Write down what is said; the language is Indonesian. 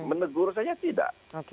menegur saya tidak